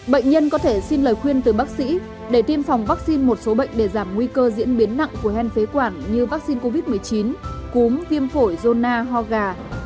bệnh nhân có thể xin lời khuyên từ bác sĩ để tiêm phòng vaccine một số bệnh để giảm nguy cơ diễn biến nặng của hen phế quản như vaccine covid một mươi chín cúm viêm phổi do ho gà